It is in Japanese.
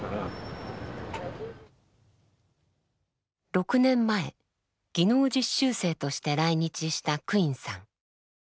６年前技能実習生として来日したクインさん。